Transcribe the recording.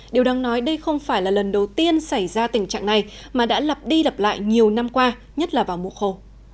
điều đáng nói đây không phải là lần đầu tiên xảy ra tình trạng này mà đã lặp đi lặp lại nhiều năm qua nhất là vào mùa khô